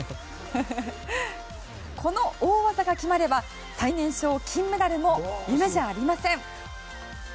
この大技が決まれば最年少金メダルも夢じゃありません！